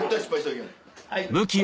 はい。